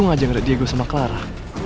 untung aja gak ada diego sama clara